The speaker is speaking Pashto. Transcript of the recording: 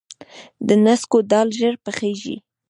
د نسکو دال ژر پخیږي.